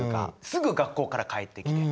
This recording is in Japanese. すぐ学校から帰ってきて。